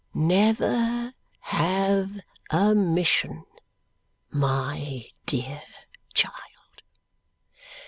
"Never have a mission, my dear child."